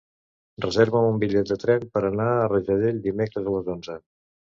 Reserva'm un bitllet de tren per anar a Rajadell dimecres a les onze.